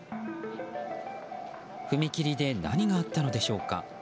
踏切で何があったのでしょうか。